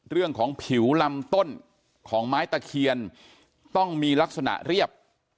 ผิวลำต้นของไม้ตะเคียนต้องมีลักษณะเรียบ